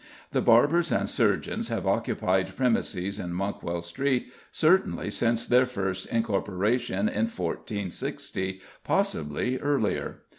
The barbers and surgeons have occupied premises in Monkwell Street certainly since their first incorporation in 1460, possibly earlier.